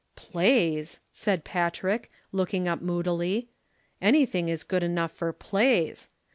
"Plays!" said Patrick, looking up moodily. "Anything is good enough for plays.